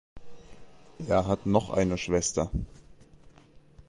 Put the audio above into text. Er hat noch eine Schwester.